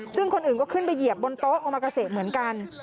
ซึ่งคนอื่นก็ขึ้นไปเหยียบบนโต๊ะโอมากาเซเหมือนกัน